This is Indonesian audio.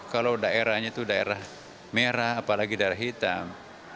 kalau daerahnya itu daerah merah apalagi daerah hitam